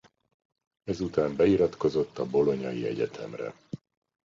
Ezután beiratkozott a bolognai egyetemre.